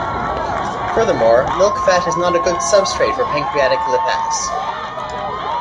Furthermore, milk fat is not a good substrate for pancreatic lipase.